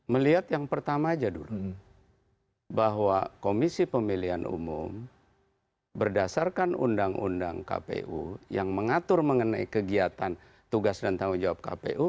melihat yang pertama aja dulu bahwa komisi pemilihan umum berdasarkan undang undang kpu yang mengatur mengenai kegiatan tugas dan tanggung jawab kpu